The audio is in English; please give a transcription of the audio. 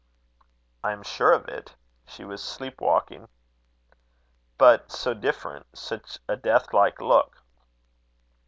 "I am sure of it. She was sleep walking." "But so different such a death like look!"